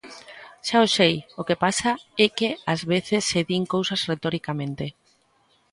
Xa o sei, o que pasa é que ás veces se din cousas retoricamente.